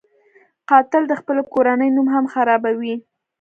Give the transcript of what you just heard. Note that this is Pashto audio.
قاتل د خپلې کورنۍ نوم هم خرابوي